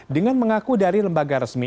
dengan mengaku dari lembaga resmi